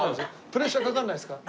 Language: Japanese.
プレッシャーかからないですか？